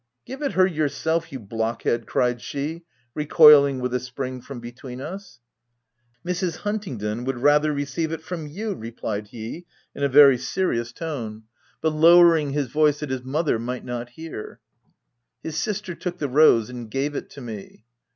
u Give it her yourself, you blockhead ?" cried she, recoiling with a spring from between us. " Mrs. Huntingdon would rather receive it from you," replied he in a very serious tone, 350 THE TENANT but lowering his voice that his mother might not hear. His sister took the rose and gave it to me.